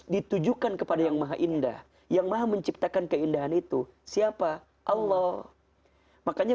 ditujukan kepada yang maha indah yang maha menciptakan keindahan itu siapa allah makanya